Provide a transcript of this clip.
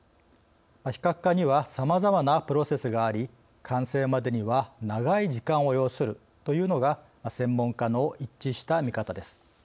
非核化にはさまざまなプロセスがあり完成までには長い時間を要するというのが専門家の一致した見方です。